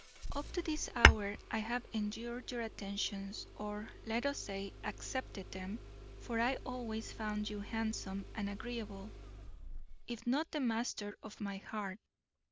Up to this hour I have endured your attentions, or, let us say, accepted them, for I always found you handsome and agreeable, if not the master of my heart.